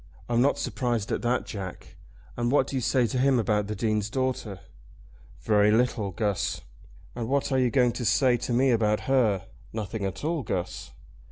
"I'm not surprised at that, Jack. And what do you say to him about the Dean's daughter?" "Very little, Guss." "And what are you going to say to me about her?" "Nothing at all, Guss."